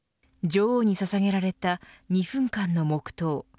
女王にささげられた２分間の黙とう。